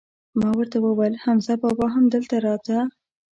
ما ور ته وویل: حمزه بابا هم دلته راته؟